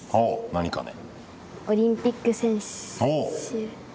何かね。